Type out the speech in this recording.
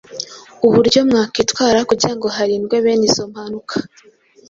uburyo mwakwitwara kugira ngo hirindwe bene izo mpanuka.